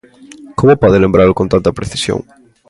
Como pode lembralo con tanta precisión?